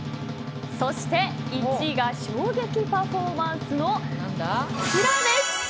そして１位が衝撃パフォーマンスのこちらです。